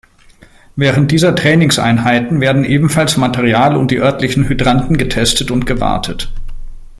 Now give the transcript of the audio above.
Während dieser Trainingseinheiten werden ebenfalls Material und die örtlichen Hydranten getestet und gewartet.